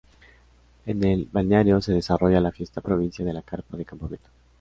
En el balneario se desarrolla la Fiesta Provincia de la Carpa de Campamento.